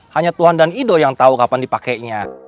hanya tuhan dan ido yang tahu kapan dipakainya